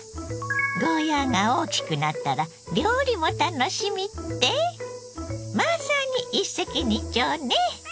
ゴーヤーが大きくなったら料理も楽しみって⁉まさに一石二鳥ね！